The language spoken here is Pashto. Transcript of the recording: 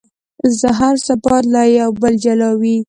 هر څه باید له یو بل جلا وي.